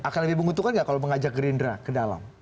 akan lebih menguntungkan nggak kalau mengajak gerindra ke dalam